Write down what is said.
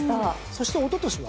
そしておととしは？